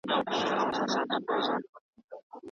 د پښتو ژبي دپاره کار کول لوی ثواب لري